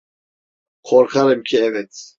Korkarım ki evet.